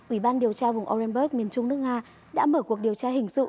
ủy ban điều tra vùng orenburg miền trung nước nga đã mở cuộc điều tra hình sự